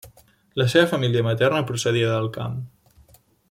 La seva família materna procedia del camp.